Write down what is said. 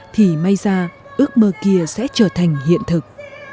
thì may ra ước mơ kia sẽ trở thành hiện thực